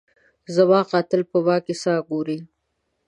زما قاتل په ما کي ساه ګوري